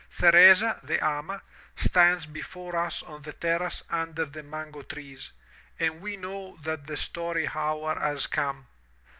Theresa, the ama, stands before us on the terrace under the mango trees, and we know that the story hour has come.